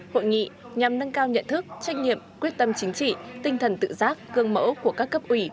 hội nghị nhằm nâng cao nhận thức trách nhiệm quyết tâm chính trị tinh thần tự giác cương mẫu của các cấp ủy